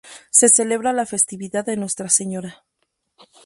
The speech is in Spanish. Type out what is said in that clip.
Se celebra la festividad de Nuestra Señora.